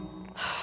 あ。